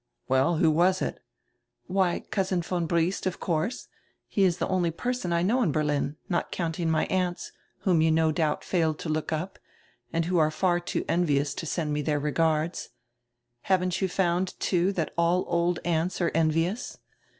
"Well, who was it? " "Why, Cousin von Briest, of course. He is the only per son I know in Berlin, not counting my aunts, whom you no doubt failed to look up, and who are far too envious to send me their regards. Haven't you found, too, that all old aunts are envious?"